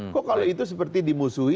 kok kalau itu seperti dimusuhi